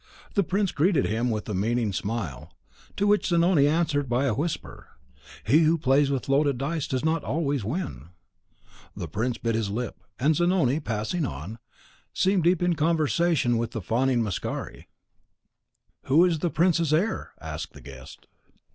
The prince greeted him with a meaning smile, to which Zanoni answered by a whisper, "He who plays with loaded dice does not always win." The prince bit his lip, and Zanoni, passing on, seemed deep in conversation with the fawning Mascari. "Who is the prince's heir?" asked the guest.